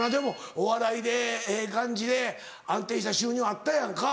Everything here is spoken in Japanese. お笑いでええ感じで安定した収入あったやんか。